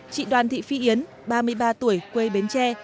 chị đoàn thị phi yến ba mươi ba tuổi quê bến tre